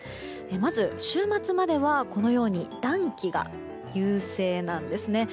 まず、週末までは暖気が優勢なんですね。